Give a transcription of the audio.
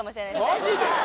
マジで？